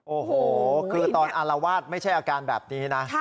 โอ้โหคือตอนอารวาสไม่ใช่อาการแบบนี้นะ